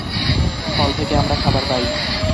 ফল থেকে আমরা খাবার পাই।